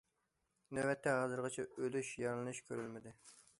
نۆۋەتتە ھازىرغىچە ئۆلۈش، يارىلىنىش كۆرۈلمىدى.